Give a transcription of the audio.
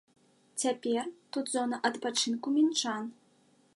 Цяпер тут зона адпачынку мінчан.